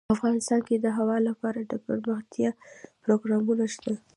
افغانستان کې د هوا لپاره دپرمختیا پروګرامونه شته.